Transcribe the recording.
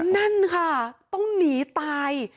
นั่นค่ะต้องหนีตาย